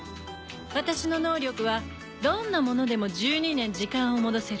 私の能力はどんなものでも１２年時間を戻せる。